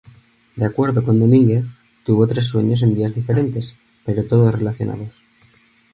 De acuerdo con Domínguez, tuvo tres sueños en días diferentes, pero todos relacionados.